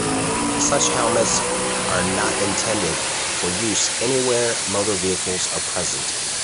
Such helmets are not intended for use anywhere motor vehicles are present.